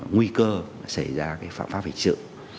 nguy cơ xảy ra cái phạm pháp hình sự